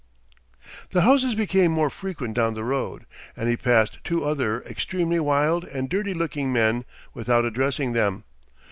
The houses became more frequent down the road, and he passed two other extremely wild and dirty looking men without addressing them.